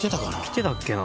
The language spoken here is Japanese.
着てたっけな？